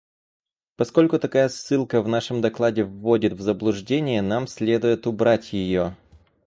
Поскольку такая ссылка в нашем докладе вводит в заблуждение, нам следует убрать ее.